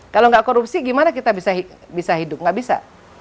kalau nggak korupsi gimana kita bisa hidup nggak bisa